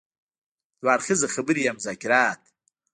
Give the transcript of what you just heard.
دوه اړخیزه خبرې يا مذاکرات.